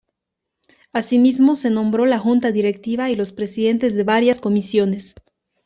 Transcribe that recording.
Asimismo se nombró la junta directiva y los presidentes de varias comisiones.